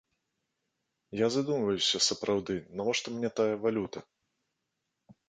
Я задумваюся, сапраўды, навошта мне тая валюта?